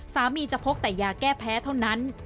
จะพกแต่ยาแก้แพ้เท่านั้น